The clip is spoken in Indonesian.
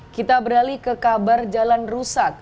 kita beralih ke kabar jalan rusak